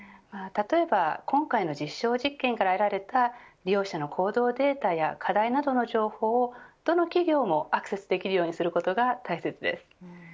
例えば今回の実証実験から得られた利用者の行動データや課題などの情報をどの企業もアクセスできるようにすることが大切です。